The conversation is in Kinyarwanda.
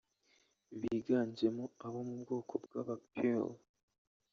biganjemo abo mu bwoko bw’aba Peul